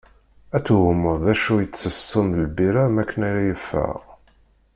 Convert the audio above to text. Ad twehmeḍ d acu itess Tom d lbira makken ara yeffeɣ.